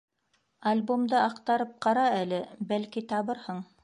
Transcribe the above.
Альбомды аҡтарып ҡара әле, бәлки, табырһың.